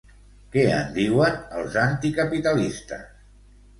Què en diuen, els anticapitalistes?